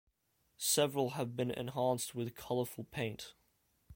Several have been enhanced with colourful paint.